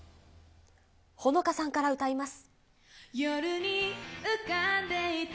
ホノカさんから歌います。